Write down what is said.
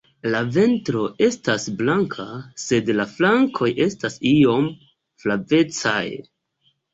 La ventro estas blanka sed la flankoj estas iom flavecaj.